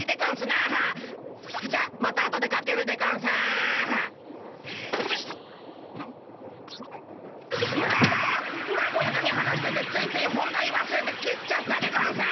なごやかに話しててついつい本題わすれて切っちゃったでゴンス！